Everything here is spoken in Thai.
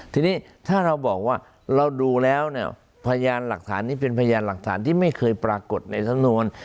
ทีนี้ถ้าเราบอกว่าเราดูแล้วเนี่ยพยานหลักฐานนี้เป็นพยานหลักฐานที่ไม่เคยปรากฏในสำนวน